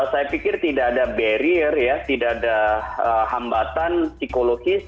saya pikir tidak ada barrier ya tidak ada hambatan psikologis